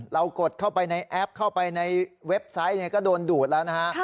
กดเข้าไปในแอปเข้าไปในเว็บไซต์ก็โดนดูดแล้วนะฮะ